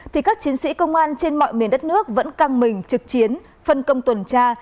thì các chiến sĩ công an trên mọi miền đất nước vẫn căng mình trực chiến phân công tuần tra